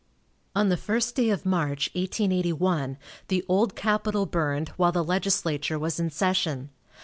On the first day of March, 1881, the old capitol burned, while the legislature was in session.